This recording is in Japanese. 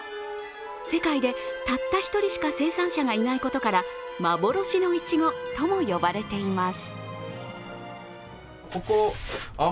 世界でたった一人しか生産者がいないことから幻のいちごとも呼ばれています。